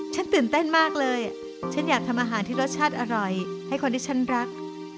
ตื่นเต้นมากเลยฉันอยากทำอาหารที่รสชาติอร่อยให้คนที่ฉันรัก